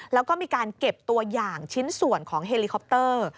แล้วก็มีการเก็บตัวอย่างชิ้นส่วนของเฮลิคอปเตอร์